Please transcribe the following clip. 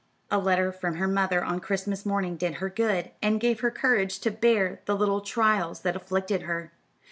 A letter from her mother on Christmas morning did her good, and gave her courage to bear the little trials that afflicted her.